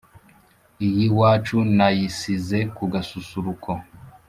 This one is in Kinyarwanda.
i y'iwacu nayisize ku gasusuruko